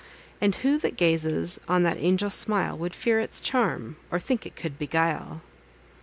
And who that gazes on that angel smile, Would fear its charm, or think it could beguile!